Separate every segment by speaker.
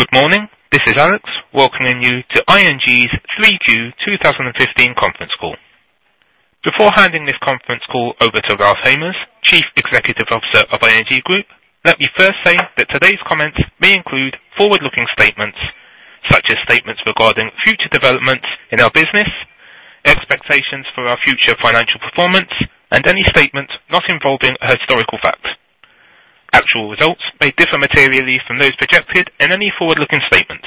Speaker 1: Good morning. This is Alex welcoming you to ING's 3Q 2015 conference call. Before handing this conference call over to Ralph Hamers, Chief Executive Officer of ING Groep, let me first say that today's comments may include forward-looking statements, such as statements regarding future developments in our business, expectations for our future financial performance, and any statement not involving a historical fact. Actual results may differ materially from those projected in any forward-looking statement.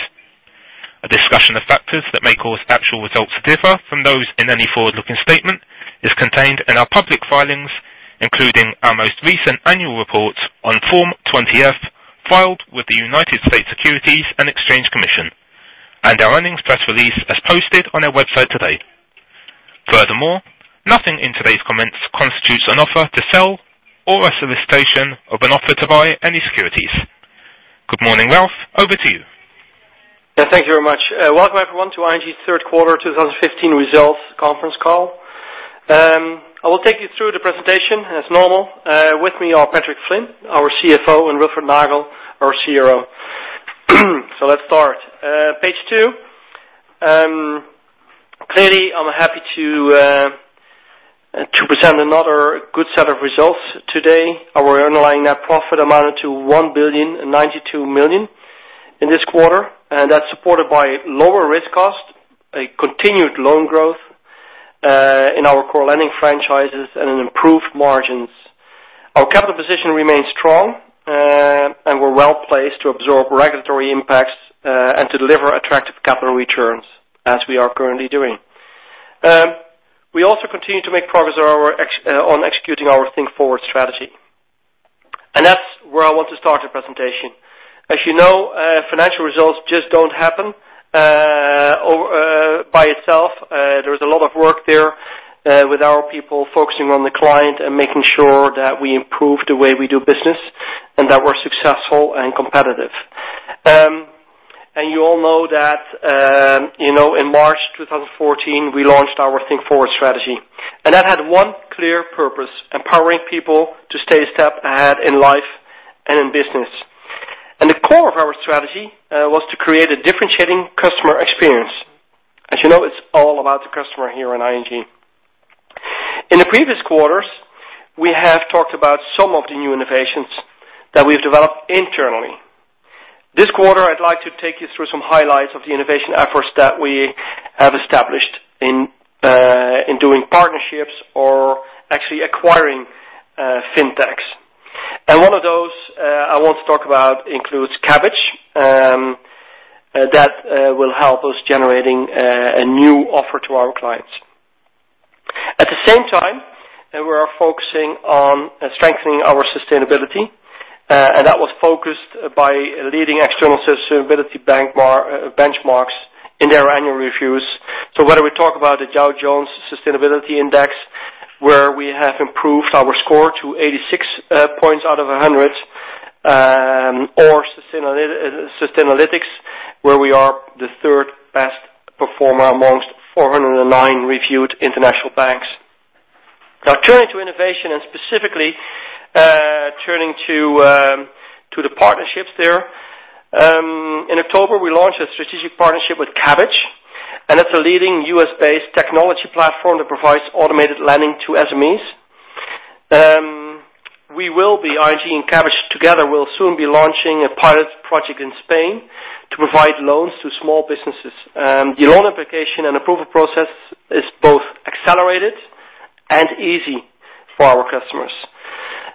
Speaker 1: A discussion of factors that may cause actual results to differ from those in any forward-looking statement is contained in our public filings, including our most recent annual report on Form 20-F, filed with the United States Securities and Exchange Commission, and our earnings press release as posted on our website today. Furthermore, nothing in today's comments constitutes an offer to sell or a solicitation of an offer to buy any securities. Good morning, Ralph. Over to you.
Speaker 2: Yeah, thank you very much. Welcome everyone to ING's third quarter 2015 results conference call. I will take you through the presentation, and as normal, with me are Patrick Flynn, our CFO, and Wilfred Nagel, our CRO. Let's start. Page two. Clearly, I'm happy to present another good set of results today. Our underlying net profit amounted to 1.092 billion in this quarter, and that's supported by lower risk cost, a continued loan growth, in our core lending franchises, and improved margins. Our capital position remains strong, and we're well-placed to absorb regulatory impacts, and to deliver attractive capital returns as we are currently doing. We also continue to make progress on executing our Think Forward strategy. That's where I want to start the presentation. As you know, financial results just don't happen by itself. There is a lot of work there, with our people focusing on the client and making sure that we improve the way we do business and that we're successful and competitive. You all know that, in March 2014, we launched our Think Forward strategy. That had one clear purpose: empowering people to stay a step ahead in life and in business. The core of our strategy was to create a differentiating customer experience. As you know, it's all about the customer here in ING. In the previous quarters, we have talked about some of the new innovations that we've developed internally. This quarter, I'd like to take you through some highlights of the innovation efforts that we have established in doing partnerships or actually acquiring FinTechs. One of those I want to talk about includes Kabbage, that will help us generating a new offer to our clients. At the same time, we are focusing on strengthening our sustainability, and that was focused by leading external sustainability benchmarks in their annual reviews. Whether we talk about the Dow Jones Sustainability Index, where we have improved our score to 86 points out of 100, or Sustainalytics, where we are the third-best performer amongst 409 reviewed international banks. Turning to innovation and specifically turning to the partnerships there. In October, we launched a strategic partnership with Kabbage, and that's a leading U.S.-based technology platform that provides automated lending to SMEs. ING and Kabbage together will soon be launching a pilot project in Spain to provide loans to small businesses. The loan application and approval process is both accelerated and easy for our customers.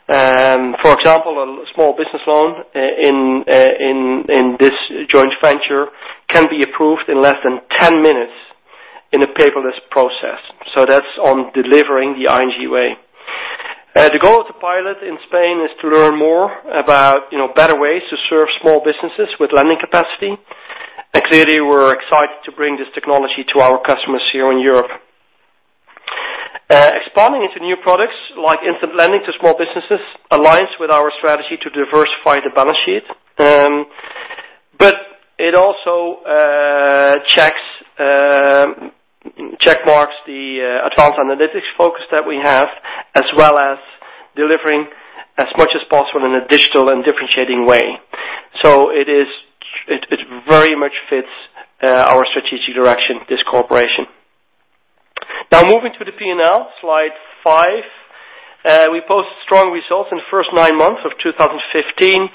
Speaker 2: For example, a small business loan in this joint venture can be approved in less than 10 minutes in a paperless process. That's on delivering the ING way. The goal of the pilot in Spain is to learn more about better ways to serve small businesses with lending capacity. Clearly, we're excited to bring this technology to our customers here in Europe. Expanding into new products like instant lending to small businesses aligns with our strategy to diversify the balance sheet. It also check marks the advanced analytics focus that we have, as well as delivering as much as possible in a digital and differentiating way. It very much fits our strategic direction, this cooperation. Moving to the P&L, slide five. We posted strong results in the first nine months of 2015.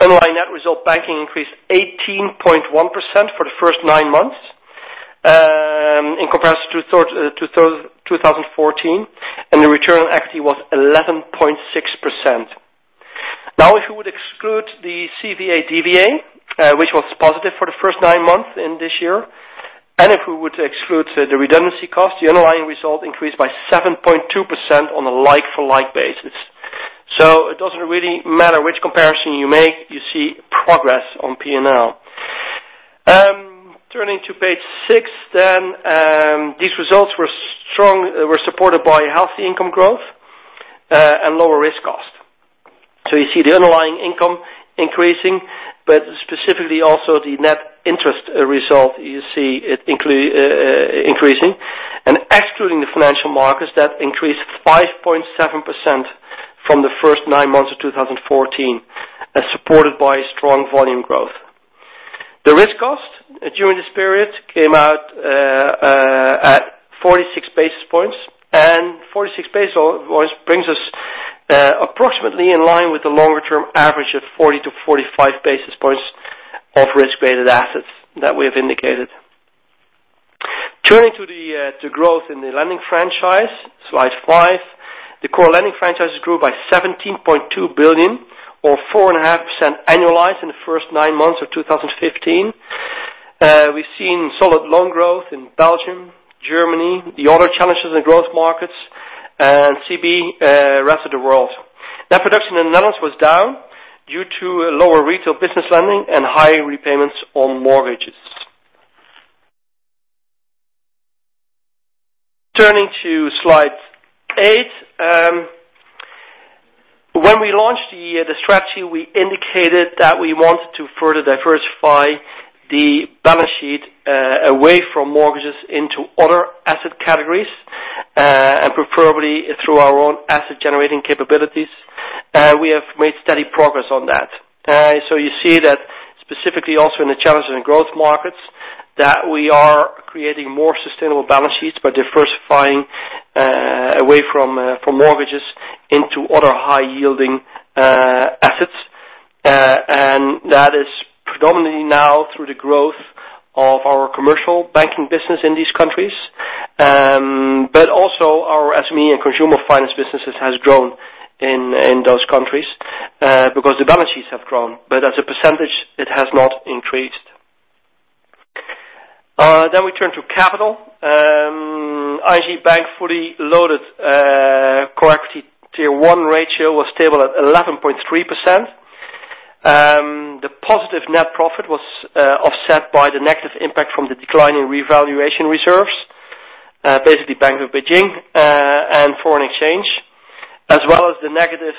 Speaker 2: Underlying net result banking increased 18.1% for the first nine months, in comparison to 2014, and the return on equity was 11.6%. If you would exclude the CVA/DVA, which was positive for the first nine months in this year, and if we were to exclude the redundancy cost, the underlying result increased by 7.2% on a like-for-like basis. It doesn't really matter which comparison you make, you see progress on P&L. Turning to page six then. These results were supported by healthy income growth, and lower risk cost. You see the underlying income. Also the net interest result, you see it increasing. Excluding the financial markets, that increased 5.7% from the first nine months of 2014, as supported by strong volume growth. The risk cost during this period came out at 46 basis points. 46 basis points brings us approximately in line with the longer-term average of 40 to 45 basis points of risk-weighted assets that we have indicated. Turning to the growth in the lending franchise, slide five. The core lending franchise grew by 17.2 billion or 4.5% annualized in the first nine months of 2015. We've seen solid loan growth in Belgium, Germany, the other challengers and growth markets, and CB, rest of the world. Net production in the Netherlands was down due to lower retail business lending and high repayments on mortgages. Turning to slide eight. When we launched the strategy, we indicated that we wanted to further diversify the balance sheet away from mortgages into other asset categories, and preferably through our own asset-generating capabilities. We have made steady progress on that. You see that specifically also in the challenges in growth markets, that we are creating more sustainable balance sheets by diversifying away from mortgages into other high-yielding assets. That is predominantly now through the growth of our commercial banking business in these countries. Also our SME and consumer finance businesses has grown in those countries because the balance sheets have grown. As a percentage, it has not increased. We turn to capital. ING Bank fully loaded Core Equity Tier 1 ratio was stable at 11.3%. The positive net profit was offset by the negative impact from the decline in revaluation reserves. Basically Bank of Beijing and foreign exchange, as well as the negative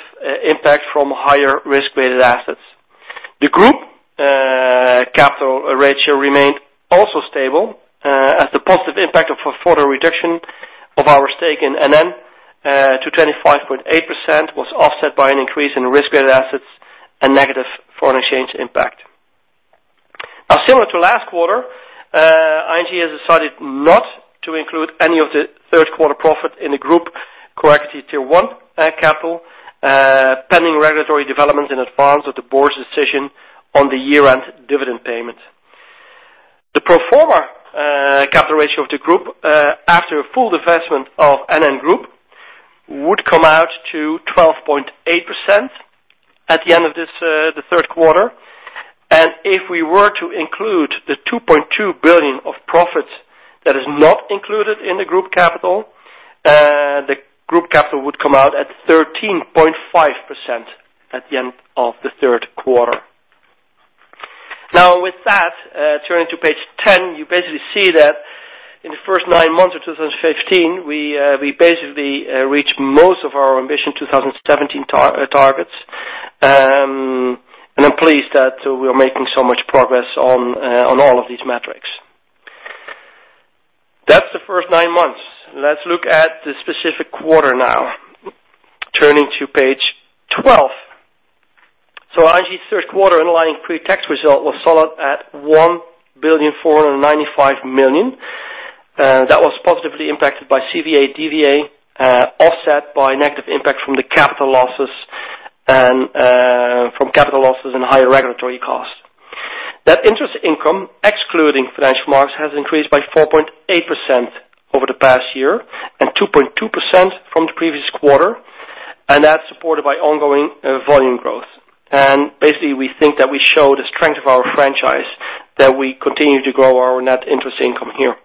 Speaker 2: impact from higher risk-weighted assets. The group capital ratio remained also stable as the positive impact of a further reduction of our stake in NN to 25.8% was offset by an increase in risk-weighted assets and negative foreign exchange impact. Similar to last quarter, ING has decided not to include any of the third quarter profit in the group Core Equity Tier 1 capital pending regulatory developments in advance of the board's decision on the year-end dividend payment. The pro forma capital ratio of the group after a full divestment of NN Group would come out to 12.8% at the end of the third quarter. If we were to include the 2.2 billion of profits that is not included in the group capital, the group capital would come out at 13.5% at the end of the third quarter. With that, turning to page 10, you basically see that in the first nine months of 2015, we basically reached most of our Ambition 2017 targets. I'm pleased that we are making so much progress on all of these metrics. That's the first nine months. Let's look at the specific quarter now. Turning to page 12. ING's third quarter underlying pre-tax result was solid at 1.495 billion. That was positively impacted by CVA/DVA, offset by negative impact from capital losses and higher regulatory costs. Net interest income, excluding financial markets, has increased by 4.8% over the past year and 2.2% from the previous quarter, and that's supported by ongoing volume growth. Basically, we think that we show the strength of our franchise, that we continue to grow our net interest income here.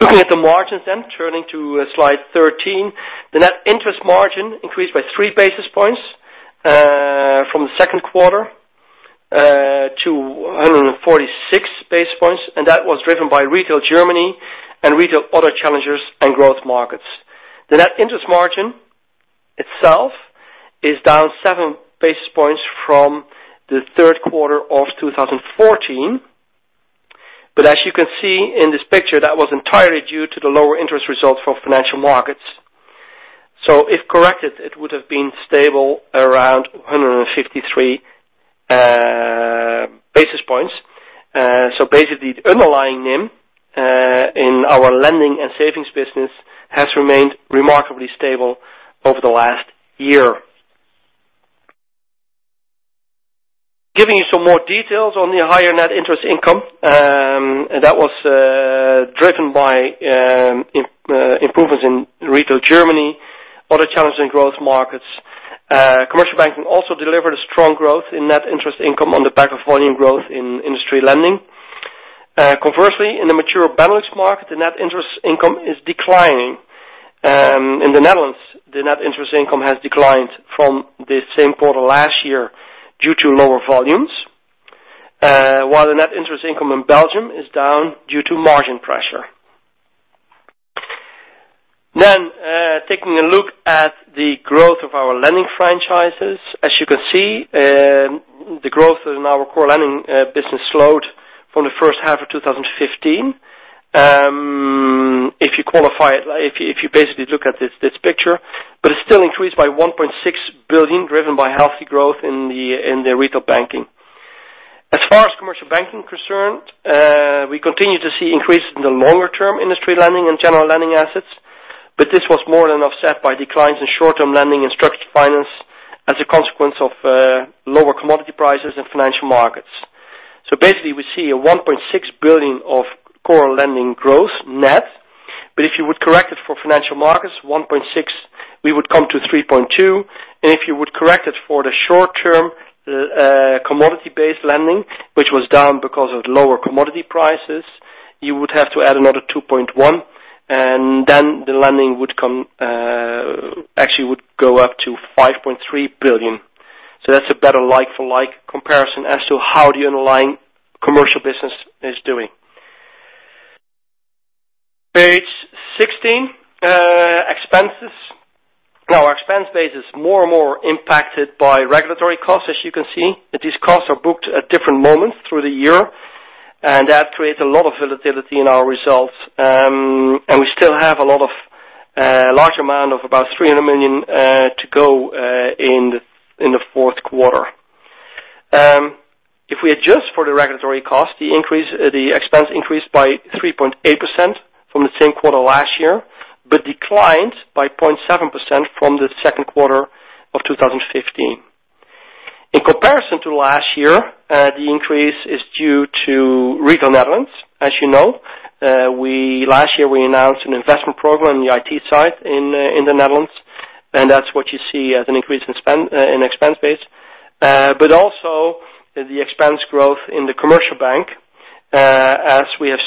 Speaker 2: Looking at the margins, turning to slide 13. The net interest margin increased by three basis points from the second quarter to 146 basis points, that was driven by Retail Germany and Retail other challengers and growth markets. The net interest margin itself is down seven basis points from the third quarter of 2014. As you can see in this picture, that was entirely due to the lower interest result for financial markets. If corrected, it would have been stable around 153 basis points. Basically the underlying NIM in our lending and savings business has remained remarkably stable over the last year. Giving you some more details on the higher net interest income, that was driven by improvements in Retail Germany, other challenges in growth markets. Commercial banking also delivered a strong growth in net interest income on the back of volume growth in industry lending. Conversely, in the mature Benelux market, the net interest income is declining. In the Netherlands, the net interest income has declined from the same quarter last year due to lower volumes, while the net interest income in Belgium is down due to margin pressure. Taking a look at the growth of our lending franchises. As you can see, the growth in our core lending business slowed from the first half of 2015. If you basically look at this picture, but it still increased by 1.6 billion, driven by healthy growth in the Retail banking. As far as Commercial banking concerned, we continue to see increases in the longer-term industry lending and general lending assets, but this was more than offset by declines in short-term lending and structured finance as a consequence of lower commodity prices in financial markets. Basically, we see a 1.6 billion of core lending growth net, but if you would correct it for financial markets, 1.6 billion, we would come to 3.2 billion. If you would correct it for the short-term commodity-based lending, which was down because of lower commodity prices, you would have to add another 2.1 billion, and then the lending actually would go up to 5.3 billion. That's a better like-for-like comparison as to how the underlying commercial business is doing. Page 16. Expenses. Our expense base is more and more impacted by regulatory costs, as you can see, and these costs are booked at different moments through the year, and that creates a lot of volatility in our results. We still have a large amount of about 300 million to go in the fourth quarter. If we adjust for the regulatory cost, the expense increased by 3.8% from the same quarter last year, but declined by 0.7% from the second quarter of 2015. In comparison to last year, the increase is due to Retail Netherlands. As you know, last year we announced an investment program on the IT side in the Netherlands, and that's what you see as an increase in expense base. Also the expense growth in the Commercial bank. As we have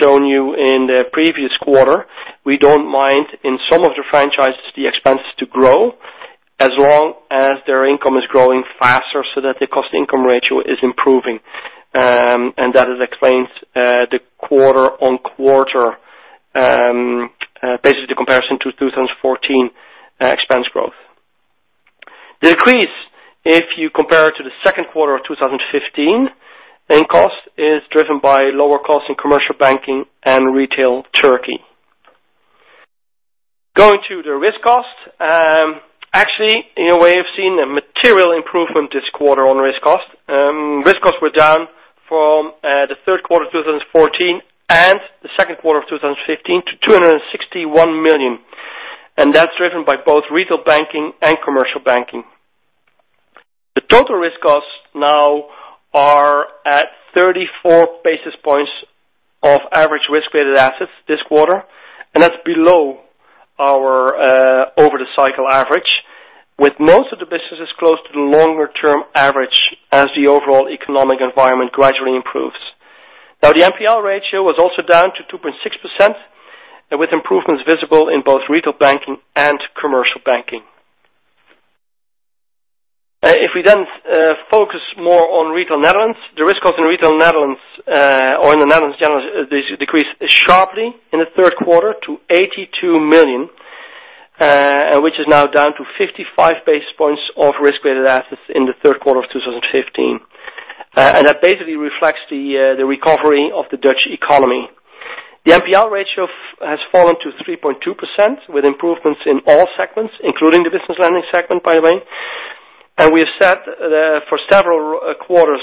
Speaker 2: shown you in the previous quarter, we don't mind, in some of the franchises, the expenses to grow as long as their income is growing faster so that the cost income ratio is improving. That explains the quarter-on-quarter, basically the comparison to 2014 expense growth. Decrease, if you compare it to the second quarter of 2015, in cost is driven by lower costs in Commercial banking and Retail Turkey. Going to the risk cost. Actually, we have seen a material improvement this quarter on risk cost. Risk costs were down from the third quarter of 2014 and the second quarter of 2015 to 261 million. That's driven by both Retail banking and Commercial banking. The total risk costs now are at 34 basis points of average risk-weighted assets this quarter, and that's below our over-the-cycle average with most of the businesses close to the longer-term average as the overall economic environment gradually improves. The NPL ratio was also down to 2.6% with improvements visible in both Retail banking and Commercial banking. If we then focus more on Retail Netherlands, the risk cost in Retail Netherlands or in the Netherlands general, decreased sharply in the third quarter to 82 million, which is now down to 55 basis points of risk-weighted assets in the third quarter of 2015. That basically reflects the recovery of the Dutch economy. The NPL ratio has fallen to 3.2% with improvements in all segments, including the business lending segment, by the way. We have said for several quarters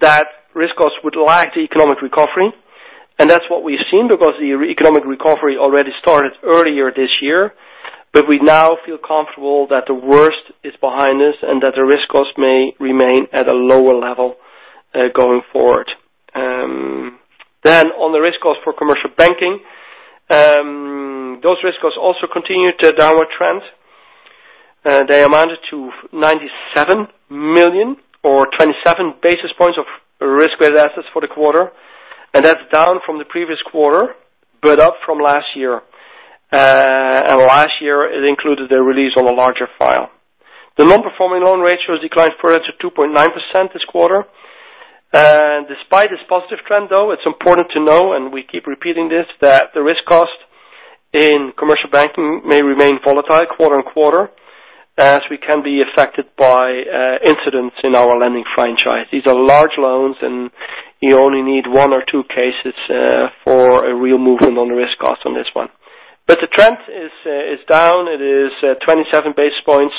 Speaker 2: that risk costs would lag the economic recovery, and that's what we've seen because the economic recovery already started earlier this year. We now feel comfortable that the worst is behind us and that the risk cost may remain at a lower level going forward. On the risk cost for commercial banking. Those risk costs also continue their downward trend. They amounted to 97 million or 27 basis points of risk-weighted assets for the quarter. That's down from the previous quarter, but up from last year. Last year, it included a release on a larger file. The non-performing loan ratio has declined further to 2.9% this quarter. Despite this positive trend, though, it's important to know, and we keep repeating this, that the risk cost in commercial banking may remain volatile quarter on quarter as we can be affected by incidents in our lending franchise. These are large loans, and you only need one or two cases for a real movement on the risk cost on this one. The trend is down. It is 27 basis points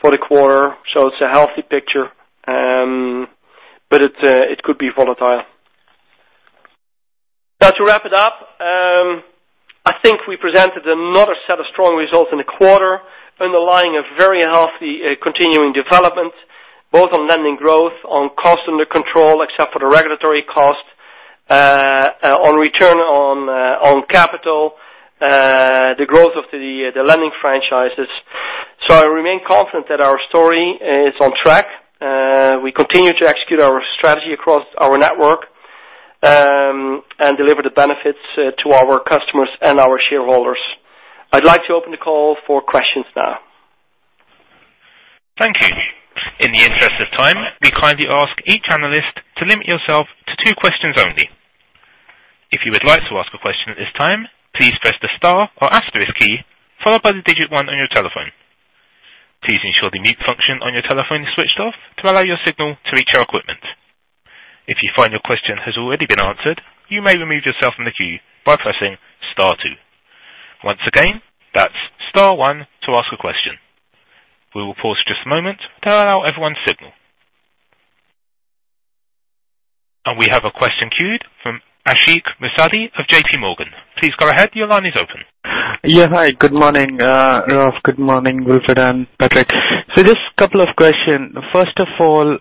Speaker 2: for the quarter, so it's a healthy picture, but it could be volatile. To wrap it up, I think we presented another set of strong results in the quarter underlying a very healthy continuing development, both on lending growth, on cost under control, except for the regulatory cost, on return on capital, the growth of the lending franchises. I remain confident that our story is on track. We continue to execute our strategy across our network, and deliver the benefits to our customers and our shareholders. I'd like to open the call for questions now.
Speaker 1: We kindly ask each analyst to limit yourself to two questions only. If you would like to ask a question at this time, please press the star or asterisk key, followed by the digit one on your telephone. Please ensure the mute function on your telephone is switched off to allow your signal to reach our equipment. If you find your question has already been answered, you may remove yourself from the queue by pressing star two. Once again, that's star one to ask a question. We will pause just a moment to allow everyone's signal. We have a question queued from Ashik Musaddi of JPMorgan. Please go ahead. Your line is open.
Speaker 3: Yeah. Hi, good morning, Ralph. Good morning, Wilfred and Patrick. Just a couple of questions. First of all,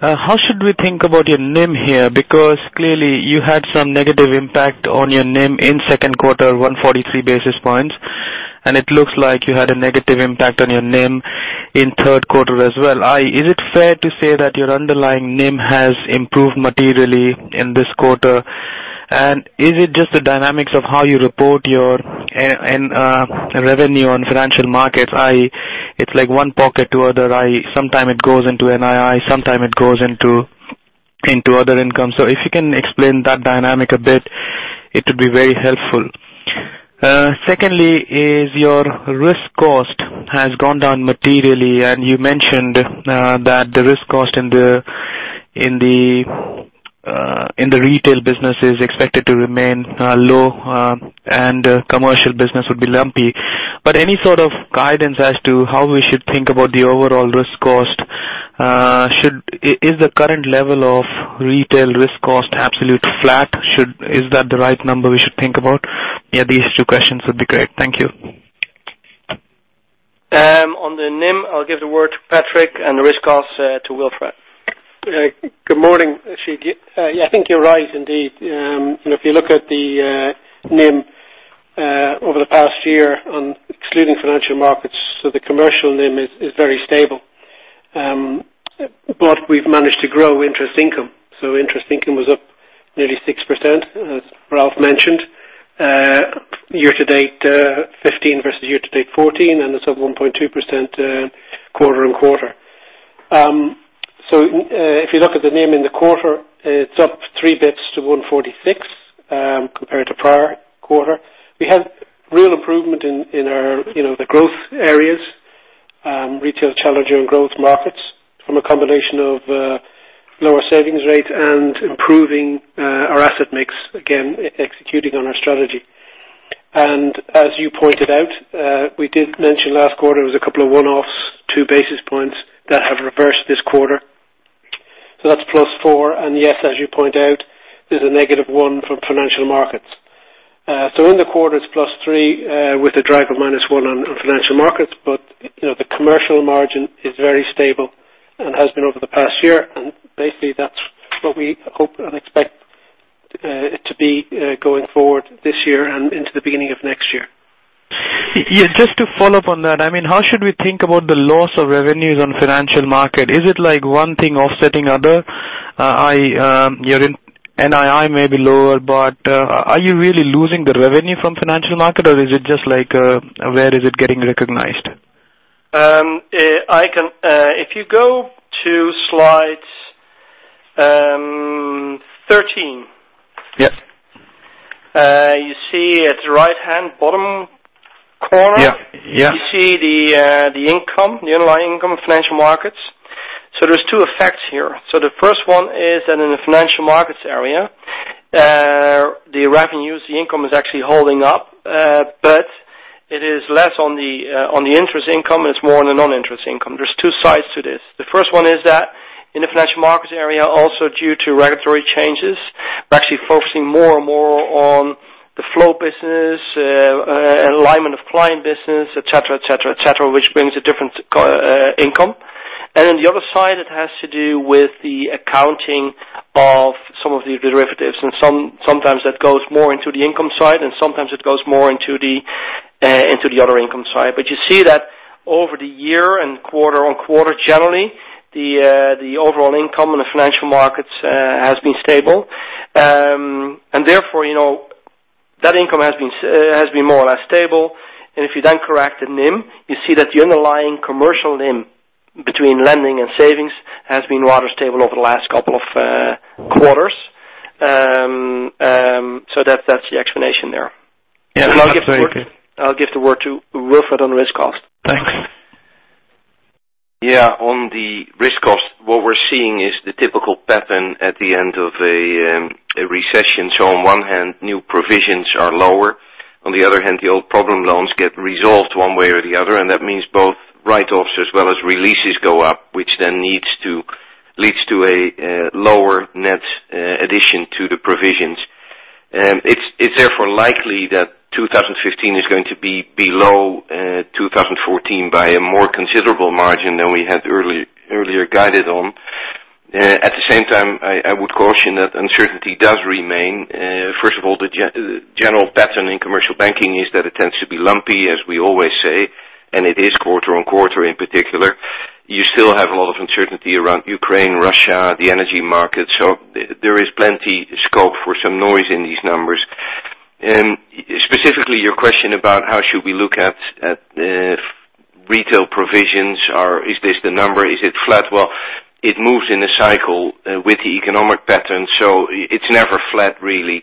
Speaker 3: how should we think about your NIM here? Clearly you had some negative impact on your NIM in second quarter, 143 basis points, and it looks like you had a negative impact on your NIM in third quarter as well. Is it fair to say that your underlying NIM has improved materially in this quarter? Is it just the dynamics of how you report your revenue on financial markets? It's like one pocket to other. Sometime it goes into NII, sometime it goes into other income. If you can explain that dynamic a bit, it would be very helpful. Secondly is your risk cost has gone down materially, and you mentioned that the risk cost in the retail business is expected to remain low and commercial business would be lumpy. Any sort of guidance as to how we should think about the overall risk cost? Is the current level of retail risk cost absolutely flat? Is that the right number we should think about? Yeah, these two questions would be great. Thank you.
Speaker 2: On the NIM, I'll give the word to Patrick and the risk cost to Wilfred.
Speaker 4: Good morning, Ashik. I think you're right indeed. If you look at the NIM over the past year on excluding financial markets, the commercial NIM is very stable. We've managed to grow interest income. Interest income was up nearly 6%, as Ralph mentioned, year to date 2015 versus year to date 2014, and it's up 1.2% quarter-on-quarter. If you look at the NIM in the quarter, it's up 3 basis points to 146 compared to prior quarter. We had real improvement in the growth areas, retail, challenger, and growth markets, from a combination of lower savings rate and improving our asset mix, again, executing on our strategy. As you pointed out, we did mention last quarter it was a couple of one-offs, 2 basis points that have reversed this quarter. That's plus 4. Yes, as you point out, there's a negative one from financial markets. In the quarter, it's plus three with a drag of minus one on financial markets. The commercial margin is very stable and has been over the past year, basically that's what we hope and expect it to be going forward this year and into the beginning of next year.
Speaker 3: Just to follow up on that. How should we think about the loss of revenues on financial markets? Is it one thing offsetting other? NII may be lower, but are you really losing the revenue from financial markets, or is it just where is it getting recognized?
Speaker 2: If you go to slide 13.
Speaker 3: Yes.
Speaker 2: You see at the right-hand bottom corner.
Speaker 3: Yeah.
Speaker 2: You see the income, the underlying income of financial markets. There's two effects here. The first one is that in the financial markets area, the revenues, the income is actually holding up. It is less on the interest income, and it's more on the non-interest income. There's two sides to this. The first one is that in the financial markets area, also due to regulatory changes, we're actually focusing more and more on the flow business, alignment of client business, et cetera, which brings a different income. The other side, it has to do with the accounting of some of the derivatives. Sometimes that goes more into the income side, and sometimes it goes more into the other income side. You see that over the year and quarter on quarter generally, the overall income in the financial markets has been stable. Therefore, that income has been more or less stable. If you then correct the NIM, you see that the underlying commercial NIM between lending and savings has been rather stable over the last couple of quarters. That's the explanation there.
Speaker 3: Yeah, that's very clear.
Speaker 2: I'll give the word to Wilfred on risk cost.
Speaker 5: Thanks. Yeah. On the risk cost, what we're seeing is the typical pattern at the end of a recession. On one hand, new provisions are lower. On the other hand, the old problem loans get resolved one way or the other, that means both write-offs as well as releases go up, which then leads to a lower net addition to the provisions. It's therefore likely that 2015 is going to be below 2014 by a more considerable margin than we had earlier guided on. At the same time, I would caution that uncertainty does remain. First of all, the general pattern in commercial banking is that it tends to be lumpy, as we always say, and it is quarter on quarter in particular. You still have a lot of uncertainty around Ukraine, Russia, the energy market. There is plenty scope for some noise in this numbers. Specifically your question about how should we look at retail provisions, or is this the number, is it flat? It moves in a cycle with the economic pattern, it's never flat, really.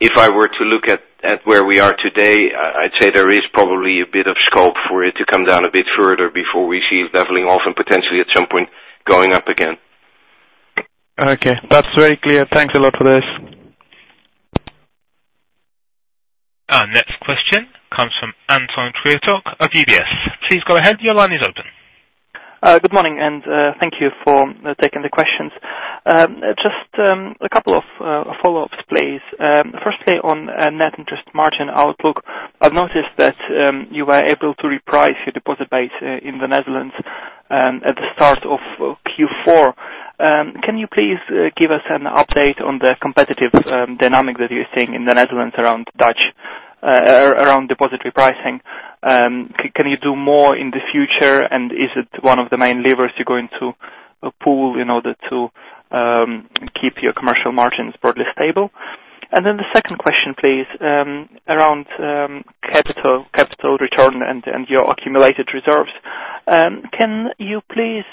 Speaker 5: If I were to look at where we are today, I'd say there is probably a bit of scope for it to come down a bit further before we see it leveling off and potentially, at some point, going up again.
Speaker 3: Okay. That's very clear. Thanks a lot for this.
Speaker 1: Our next question comes from Anton Kryachok of UBS. Please go ahead. Your line is open.
Speaker 6: Good morning, and thank you for taking the questions. Just a couple of follow-ups, please. Firstly, on net interest margin outlook, I've noticed that you were able to reprice your deposit base in the Netherlands at the start of Q4. Can you please give us an update on the competitive dynamic that you're seeing in the Netherlands around depository pricing? Can you do more in the future, and is it one of the main levers you're going to pull in order to keep your commercial margins broadly stable? The second question, please, around capital return and your accumulated reserves. Can you please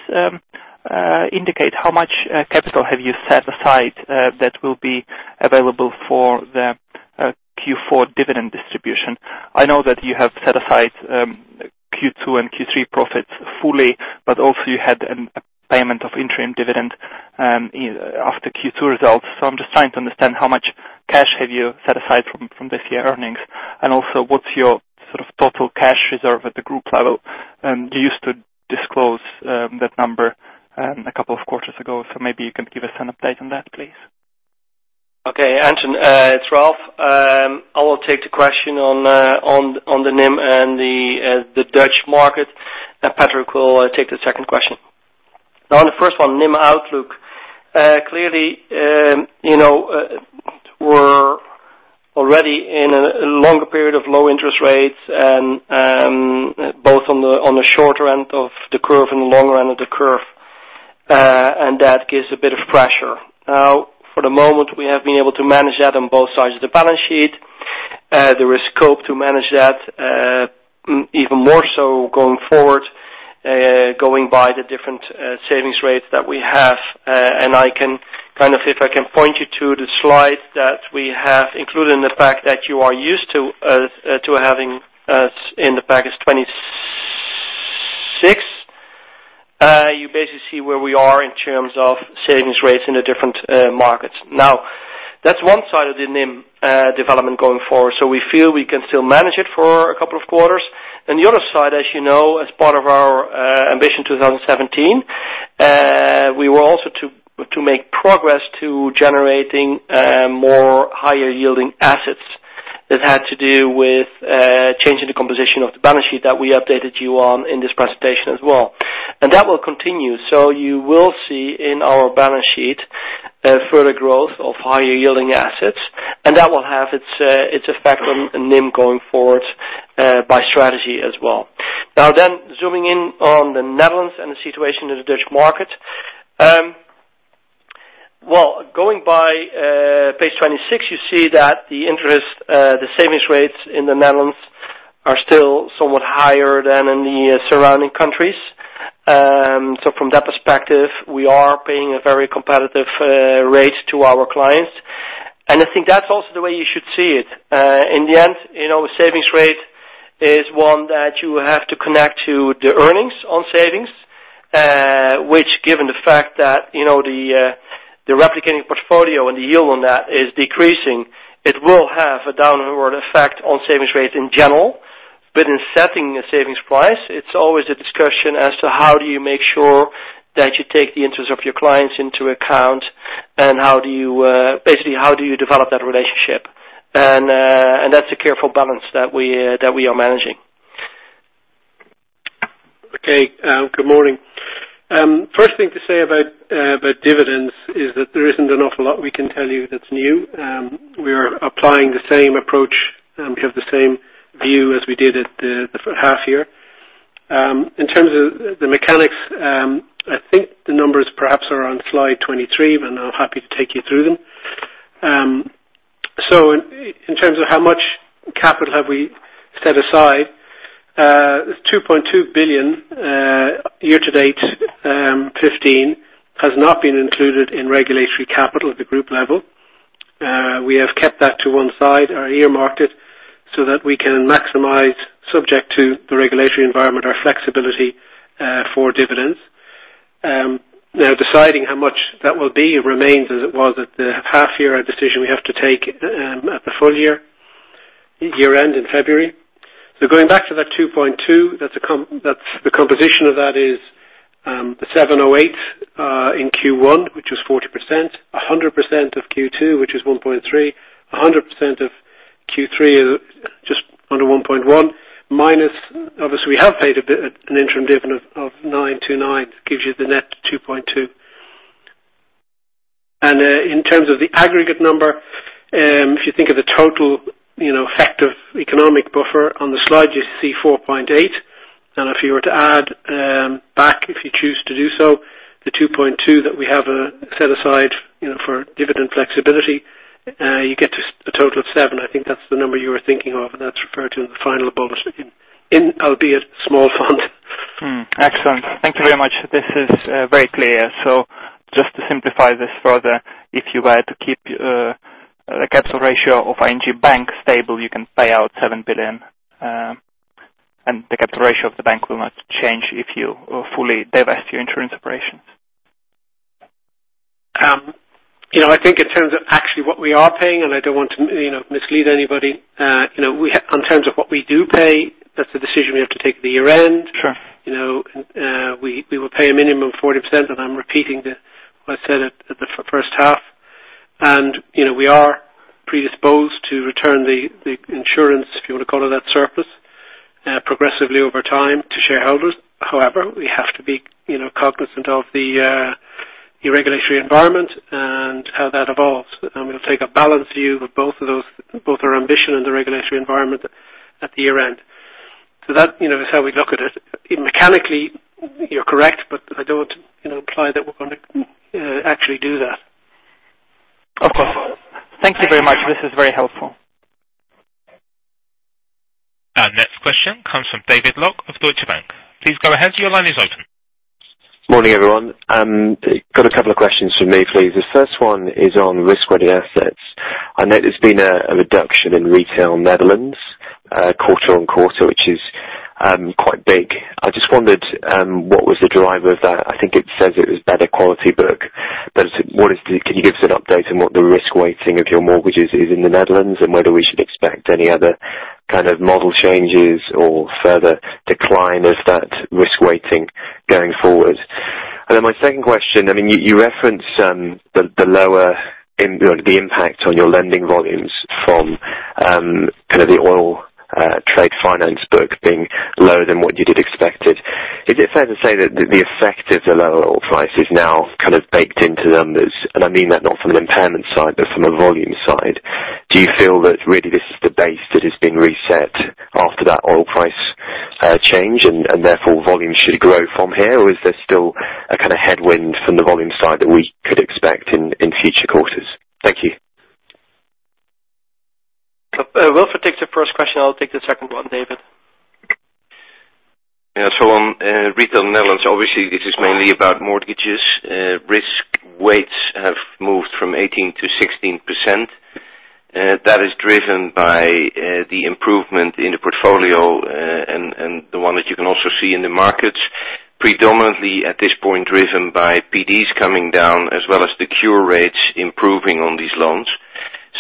Speaker 6: indicate how much capital have you set aside that will be available for the Q4 dividend distribution? I know that you have set aside Q2 and Q3 profits fully, but also you had a payment of interim dividend after Q2 results. I'm just trying to understand how much cash have you set aside from this year's earnings. Also, what's your sort of total cash reserve at the group level? You used to disclose that number a couple of quarters ago, so maybe you can give us an update on that, please.
Speaker 2: Okay, Anton. It's Ralph. I will take the question on the NIM and the Dutch market, and Patrick will take the second question. On the first one, NIM outlook. Clearly, we're already in a longer period of low interest rates, both on the shorter end of the curve and the longer end of the curve. That gives a bit of pressure. For the moment, we have been able to manage that on both sides of the balance sheet. There is scope to manage that even more so going forward, going by the different savings rates that we have. If I can point you to the slide that we have included in the fact that you are used to having in the package 26. You basically see where we are in terms of savings rates in the different markets. That's one side of the NIM development going forward. We feel we can still manage it for a couple of quarters. The other side, as you know, as part of our Ambition 2017, we were also to make progress to generating more higher-yielding assets that had to do with changing the composition of the balance sheet that we updated you on in this presentation as well. That will continue. You will see in our balance sheet a further growth of higher yielding assets, and that will have its effect on NIM going forward by strategy as well. Zooming in on the Netherlands and the situation in the Dutch market. Well, going by page 26, you see that the savings rates in the Netherlands are still somewhat higher than in the surrounding countries. From that perspective, we are paying a very competitive rate to our clients. I think that is also the way you should see it. In the end, the savings rate is one that you have to connect to the earnings on savings, which given the fact that the replicating portfolio and the yield on that is decreasing, it will have a downward effect on savings rates in general. In setting a savings price, it is always a discussion as to how do you make sure that you take the interest of your clients into account, and basically how do you develop that relationship. That is a careful balance that we are managing.
Speaker 4: Okay. Good morning. First thing to say about dividends is that there is not an awful lot we can tell you that is new. We are applying the same approach, we have the same view as we did at the half year. In terms of the mechanics, I think the numbers perhaps are on slide 23, I am happy to take you through them. In terms of how much capital have we set aside, 2.2 billion year to date 2015 has not been included in regulatory capital at the group level. We have kept that to one side or earmarked it so that we can maximize, subject to the regulatory environment, our flexibility for dividends. Deciding how much that will be remains as it was at the half year, a decision we have to take at the full year-end in February. Going back to that 2.2, the composition of that is the 708 in Q1, which was 40%, 100% of Q2, which was 1.3, 100% of Q3, just under 1.1. Obviously, we have paid an interim dividend of 929, gives you the net 2.2. In terms of the aggregate number, if you think of the total effective economic buffer. On the slide, you see 4.8, if you were to add back, if you choose to do so, the 2.2 that we have set aside for dividend flexibility, you get to a total of 7. I think that is the number you were thinking of, that is referred to in the final bullet in, albeit, small font.
Speaker 6: Excellent. Thank you very much. This is very clear. Just to simplify this further, if you were to keep the capital ratio of ING Bank stable, you can pay out 7 billion, and the capital ratio of the bank will not change if you fully divest your insurance operations.
Speaker 2: I think in terms of actually what we are paying, I don't want to mislead anybody. In terms of what we do pay, that's the decision we have to take at the year-end.
Speaker 6: Sure.
Speaker 2: We will pay a minimum of 40%, I'm repeating what I said at the first half. We are predisposed to return the insurance, if you want to call it that, surplus progressively over time to shareholders. However, we have to be cognizant of the regulatory environment and how that evolves, and we'll take a balanced view of both our ambition and the regulatory environment at the year-end. That is how we look at it. Mechanically, you're correct, but I don't want to imply that we're going to actually do that.
Speaker 6: Of course. Thank you very much. This is very helpful.
Speaker 1: Our next question comes from David Lock of Deutsche Bank. Please go ahead. Your line is open.
Speaker 7: Morning, everyone. Got a couple of questions from me, please. The first one is on risk-weighted assets. I know there's been a reduction in retail in Netherlands quarter on quarter, which is quite big. I just wondered what was the driver of that. I think it says it was better quality book, but can you give us an update on what the risk weighting of your mortgages is in the Netherlands and whether we should expect any other model changes or further decline of that risk weighting going forward? My second question, you reference the impact on your lending volumes from the oil trade finance book being lower than what you did expected. Is it fair to say that the effect of the lower oil price is now baked into them? I mean that not from an impairment side, but from a volume side. Do you feel that really this is the base that has been reset after that oil price change, and therefore volume should grow from here? Or is there still a headwind from the volume side that we could expect in future quarters? Thank you.
Speaker 2: Wilfred, take the first question. I'll take the second one, David.
Speaker 5: On Retail Netherlands, obviously this is mainly about mortgages. Risk weights have moved from 18% to 16%. That is driven by the improvement in the portfolio, and the one that you can also see in the markets, predominantly at this point driven by PDs coming down as well as the cure rates improving on these loans.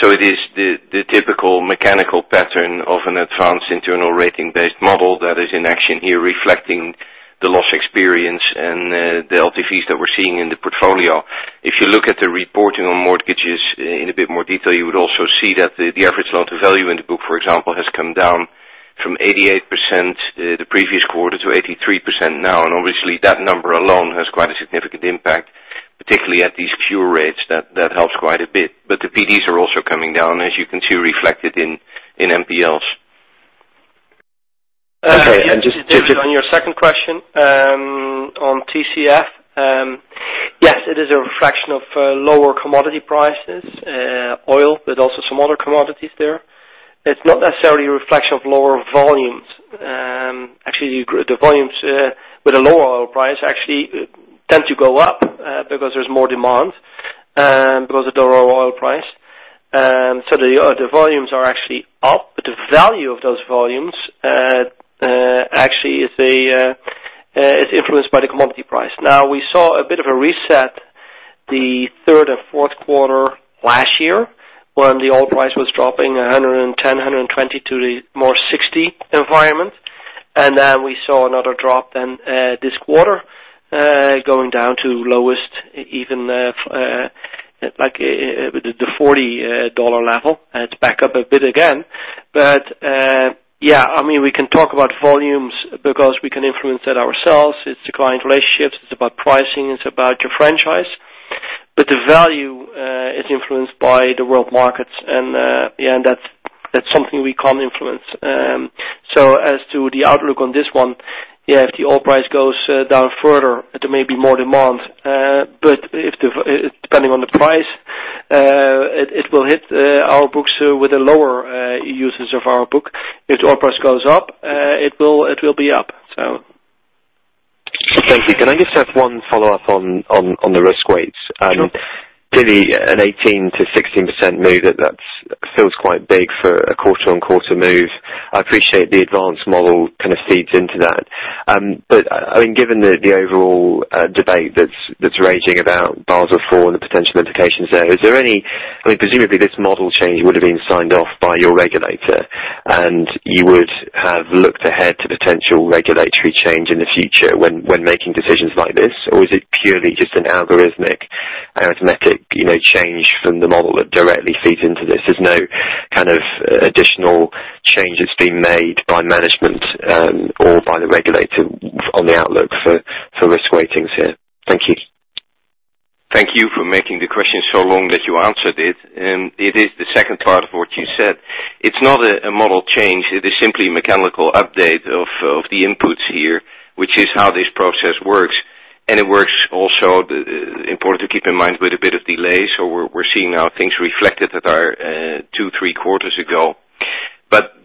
Speaker 5: It is the typical mechanical pattern of an advanced internal ratings-based model that is in action here, reflecting the loss experience and the LTVs that we're seeing in the portfolio. If you look at the reporting on mortgages in a bit more detail, you would also see that the average loan to value in the book, for example, has come down from 88% the previous quarter to 83% now. Obviously, that number alone has quite a significant impact, particularly at these cure rates. That helps quite a bit. The PDs are also coming down, as you can see reflected in NPLs.
Speaker 7: Okay.
Speaker 2: On your second question, on TCF. Yes, it is a reflection of lower commodity prices, oil, but also some other commodities there. It's not necessarily a reflection of lower volumes. Actually, the volumes with a lower oil price actually tend to go up because there's more demand because of the lower oil price. The volumes are actually up, but the value of those volumes actually is influenced by the commodity price. We saw a bit of a reset the third and fourth quarter last year when the oil price was dropping 110, 120 to the more 60 environment. We saw another drop then this quarter, going down to lowest, even the EUR 40 level. It's back up a bit again. Yeah, we can talk about volumes because we can influence that ourselves. It's the client relationships, it's about pricing, it's about your franchise. The value is influenced by the world markets, that's something we can't influence. As to the outlook on this one, if the oil price goes down further, there may be more demand. Depending on the price, it will hit our books with a lower usage of our book. If the oil price goes up, it will be up.
Speaker 7: Thank you. Can I just have one follow-up on the risk weights?
Speaker 2: Sure.
Speaker 7: Clearly, an 18%-16% move, that feels quite big for a quarter-on-quarter move. I appreciate the advanced model feeds into that. Given the overall debate that's raging about Basel IV and the potential implications there, presumably this model change would have been signed off by your regulator, and you would have looked ahead to potential regulatory change in the future when making decisions like this? Is it purely just an algorithmic arithmetic change from the model that directly feeds into this? There's no additional changes being made by management or by the regulator on the outlook for risk weightings here. Thank you.
Speaker 5: Thank you for making the question so long that you answered it. It is the second part of what you said. It's not a model change, it is simply mechanical update of the inputs here, which is how this process works. It works also, important to keep in mind, with a bit of delay. We're seeing now things reflected that are two, three quarters ago.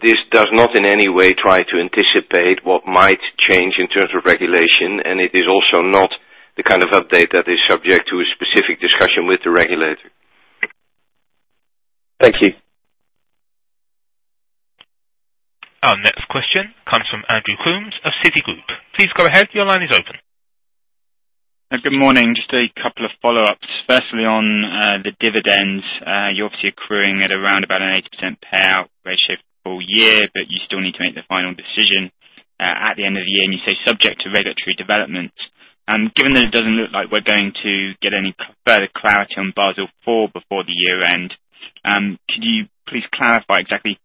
Speaker 5: This does not in any way try to anticipate what might change in terms of regulation, and it is also not the kind of update that is subject to a specific discussion with the regulator.
Speaker 7: Thank you.
Speaker 1: Our next question comes from Andrew Coombs of Citigroup. Please go ahead. Your line is open.
Speaker 8: Good morning. Just a couple of follow-ups. Firstly, on the dividends. You are obviously accruing at around about an 80% payout ratio for full year, but you still need to make the final decision, at the end of the year. You say subject to regulatory developments. Given that it doesn't look like we are going to get any further clarity on Basel IV before the year-end, could you please clarify exactly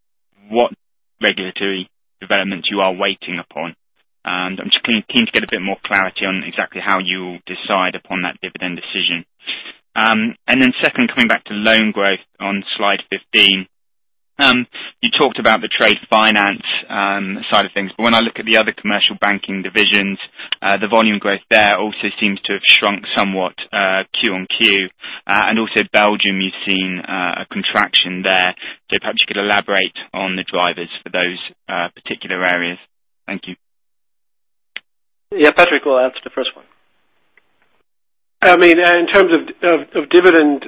Speaker 8: what regulatory developments you are waiting upon? I am just keen to get a bit more clarity on exactly how you will decide upon that dividend decision. Second, coming back to loan growth on slide 15. You talked about the trade finance side of things, but when I look at the other commercial banking divisions, the volume growth there also seems to have shrunk somewhat Q on Q. Also Belgium, you have seen a contraction there. Perhaps you could elaborate on the drivers for those particular areas. Thank you.
Speaker 2: Yeah, Patrick will answer the first one.
Speaker 4: In terms of dividend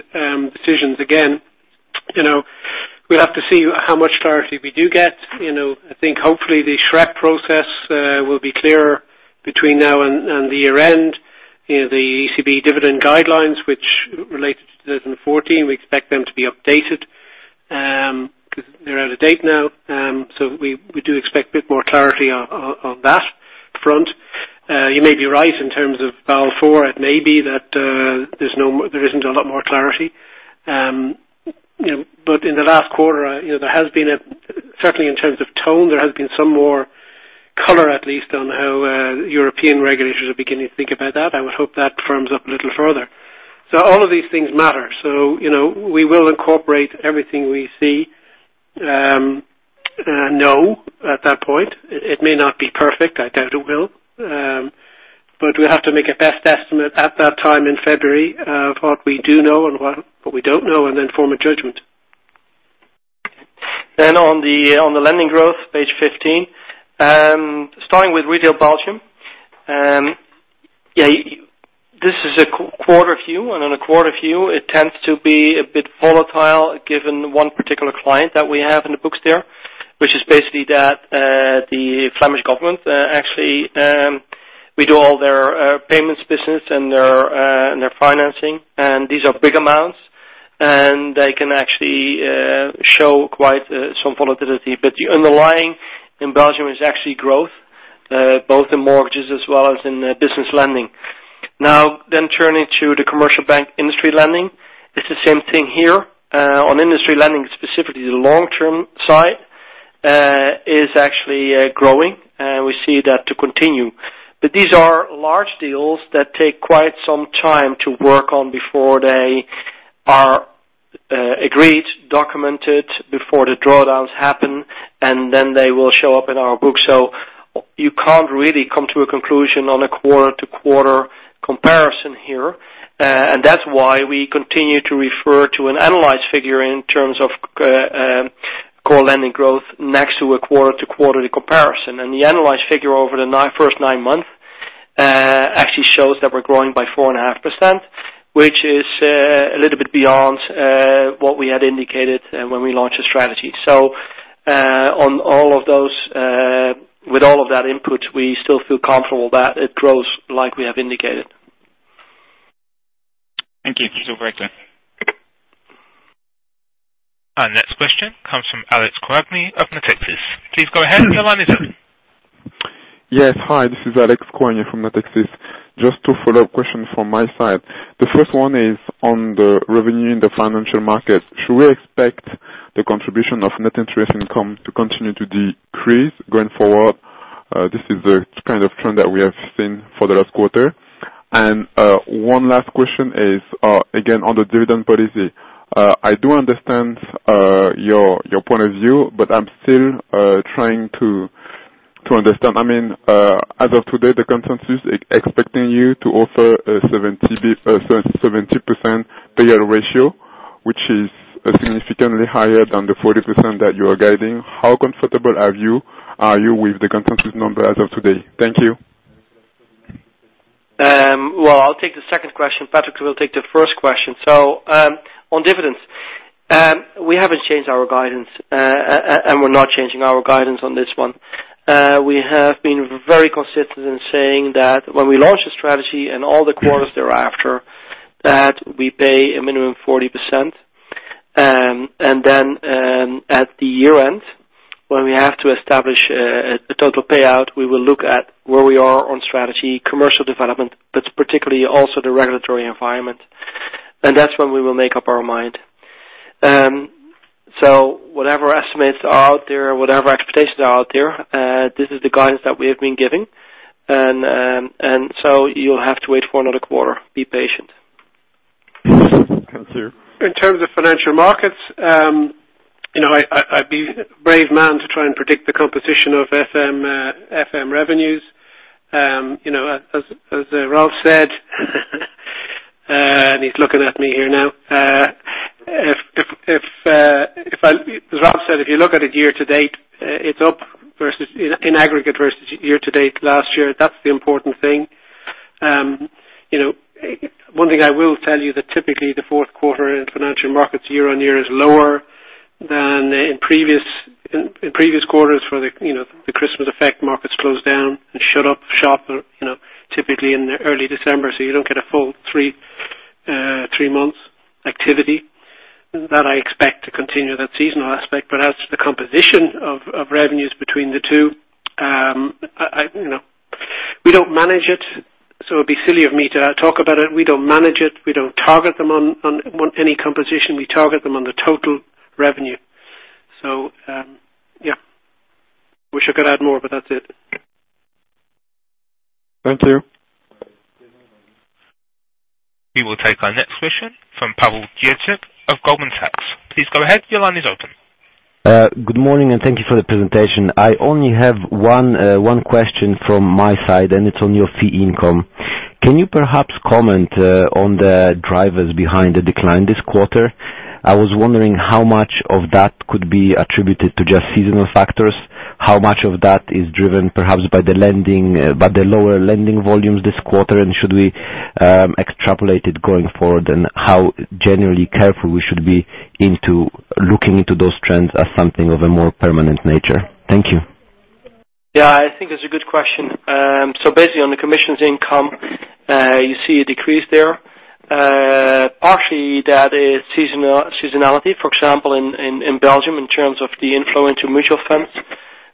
Speaker 4: decisions, again, we'll have to see how much clarity we do get. I think hopefully the SREP process will be clearer between now and the year-end. The ECB dividend guidelines, which related to 2014, we expect them to be updated, because they're out of date now. We do expect a bit more clarity on that front. You may be right in terms of Basel IV. It may be that there isn't a lot more clarity. But in the last quarter, certainly in terms of tone, there has been some more color, at least on how European regulators are beginning to think about that. I would hope that firms up a little further. All of these things matter. We will incorporate everything we see, know at that point. It may not be perfect. I doubt it will. We'll have to make a best estimate at that time in February of what we do know and what we don't know, and then form a judgment.
Speaker 2: On the lending growth, page 15. Starting with Retail Belgium. This is a quarter view, and on a quarter view, it tends to be a bit volatile given one particular client that we have in the books there, which is basically that the Flemish government, actually, we do all their payments business and their financing. These are big amounts, and they can actually show quite some volatility. The underlying in Belgium is actually growth, both in mortgages as well as in business lending. Then turning to the commercial bank industry lending. It's the same thing here. On industry lending, specifically the long-term side, is actually growing. We see that to continue. These are large deals that take quite some time to work on before they are agreed, documented, before the drawdowns happen, and then they will show up in our books. You can't really come to a conclusion on a quarter-to-quarter comparison here. That's why we continue to refer to an annualized figure in terms of core lending growth next to a quarter-to-quarterly comparison. The annualized figure over the first nine months actually shows that we're growing by 4.5%, which is a little bit beyond what we had indicated when we launched the strategy. On all of those, with all of that input, we still feel comfortable that it grows like we have indicated.
Speaker 8: Thank you. That's all very clear.
Speaker 1: Our next question comes from Alexandre Koagne of Natixis. Please go ahead. Your line is open.
Speaker 9: Yes. Hi, this is Alexandre Koagne from Natixis. Just two follow-up questions from my side. The first one is on the revenue in the financial markets. Should we expect the contribution of net interest income to continue to decrease going forward? This is the kind of trend that we have seen for the last quarter. One last question is, again, on the dividend policy. I do understand your point of view, but I'm still trying to understand. As of today, the consensus is expecting you to offer a 70% payout ratio, which is significantly higher than the 40% that you are guiding. How comfortable are you with the consensus number as of today? Thank you.
Speaker 2: Well, I'll take the second question. Patrick will take the first question. On dividends. We haven't changed our guidance, and we're not changing our guidance on this one. We have been very consistent in saying that when we launch a strategy and all the quarters thereafter, that we pay a minimum of 40%. At the year-end, when we have to establish a total payout, we will look at where we are on strategy, commercial development, but particularly also the regulatory environment. That's when we will make up our mind. Whatever estimates are out there, whatever expectations are out there, this is the guidance that we have been giving. You'll have to wait for another quarter, be patient.
Speaker 9: Thank you, sir.
Speaker 4: In terms of financial markets, I'd be brave man to try and predict the composition of FM revenues. As Ralph said, and he's looking at me here now. As Ralph said, if you look at it year to date, it's up in aggregate versus year to date last year. That's the important thing. One thing I will tell you that typically the fourth quarter in financial markets year on year is lower than in previous quarters for the Christmas effect, markets close down and shut up shop, typically in early December. You don't get a full three months activity. That I expect to continue, that seasonal aspect, but as to the composition of revenues between the two, we don't manage it, so it'd be silly of me to talk about it. We don't manage it, we don't target them on any composition. We target them on the total revenue. Yeah. Wish could add more, but that's it.
Speaker 9: Thank you.
Speaker 1: We will take our next question from Pawel Dziedzic of Goldman Sachs. Please go ahead. Your line is open.
Speaker 10: Good morning, and thank you for the presentation. I only have one question from my side, and it's on your fee income. Can you perhaps comment on the drivers behind the decline this quarter? I was wondering how much of that could be attributed to just seasonal factors. How much of that is driven perhaps by the lower lending volumes this quarter, and should we extrapolate it going forward, and how generally careful we should be looking into those trends as something of a more permanent nature? Thank you.
Speaker 2: I think that's a good question. Basically on the commissions income, you see a decrease there. Partially, that is seasonality. For example, in Belgium, in terms of the inflow into mutual funds,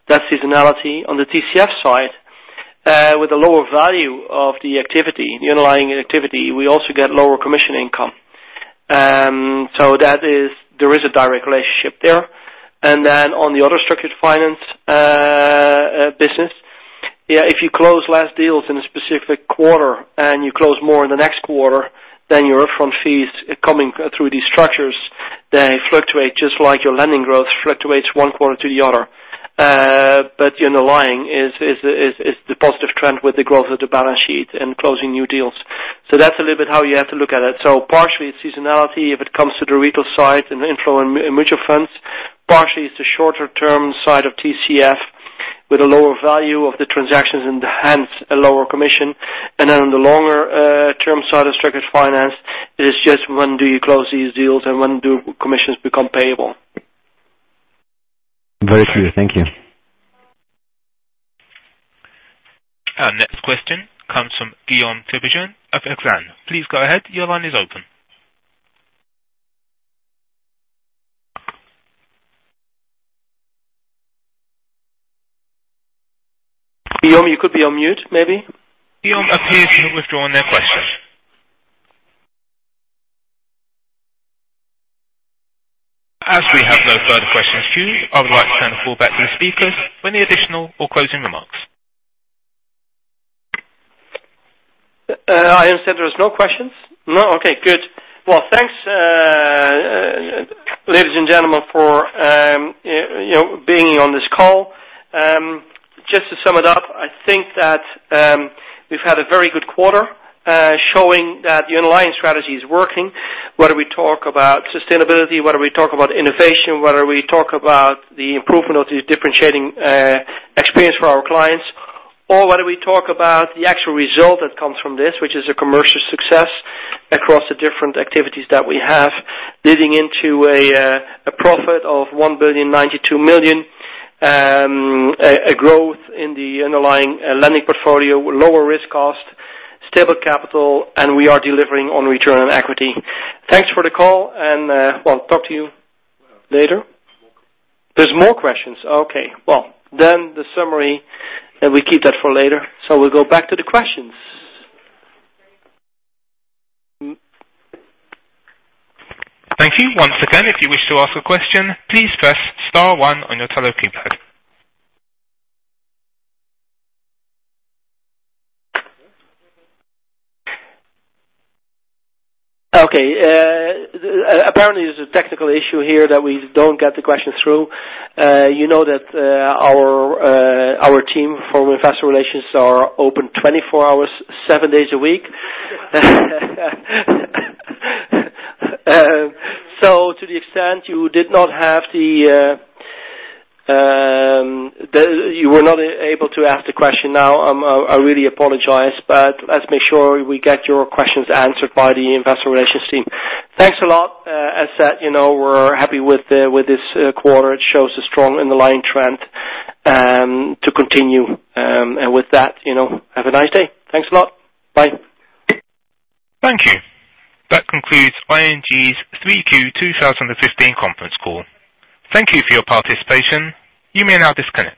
Speaker 2: that seasonality on the TCF side, with the lower value of the activity, the underlying activity, we also get lower commission income. There is a direct relationship there. Then on the other structured finance business, if you close last deals in a specific quarter and you close more in the next quarter, then your upfront fees coming through these structures, they fluctuate just like your lending growth fluctuates one quarter to the other. Underlying is the positive trend with the growth of the balance sheet and closing new deals. That's a little bit how you have to look at it. Partially it is seasonality if it comes to the Retail side and the inflow in mutual funds. Partially it is the shorter term side of TCF with a lower value of the transactions and hence a lower commission. On the longer term side of structured finance, it is just when do you close these deals and when do commissions become payable.
Speaker 10: Very clear. Thank you.
Speaker 1: Our next question comes from Guillaume Tiberghien of Exane. Please go ahead. Your line is open.
Speaker 2: Guillaume, you could be on mute, maybe.
Speaker 1: Guillaume appears to have withdrawn their question. As we have no further questions for you, I would like to turn the floor back to the speakers for any additional or closing remarks.
Speaker 2: IR said there was no questions? No. Okay, good. Thanks, ladies and gentlemen, for being on this call. Just to sum it up, I think that we've had a very good quarter, showing that the underlying strategy is working. Whether we talk about sustainability, whether we talk about innovation, whether we talk about the improvement of the differentiating experience for our clients, or whether we talk about the actual result that comes from this, which is a commercial success across the different activities that we have, leading into a profit of 1,092 million, a growth in the underlying lending portfolio, lower risk cost, stable capital, and we are delivering on return on equity. Thanks for the call. We'll talk to you later. There's more questions. Okay. The summary, we keep that for later. We'll go back to the questions.
Speaker 1: Thank you. Once again, if you wish to ask a question, please press star one on your tele keypad.
Speaker 2: Okay. Apparently, there's a technical issue here that we don't get the question through. You know that our team for Investor Relations are open 24 hours, 7 days a week. To the extent you were not able to ask the question now, I really apologize, let's make sure we get your questions answered by the Investor Relations team. Thanks a lot. As said, we're happy with this quarter. It shows a strong underlying trend to continue. With that, have a nice day. Thanks a lot. Bye.
Speaker 1: Thank you. That concludes ING's 3Q 2015 conference call. Thank you for your participation. You may now disconnect.